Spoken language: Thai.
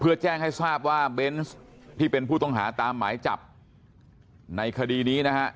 เพื่อแจ้งให้ทราบว่าเบนส์ที่เป็นผู้ต้องหาตามหมายจับในคดีนี้นะฮะ